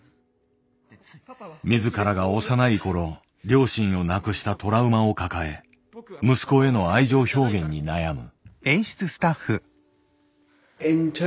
自らが幼い頃両親を亡くしたトラウマを抱え息子への愛情表現に悩む。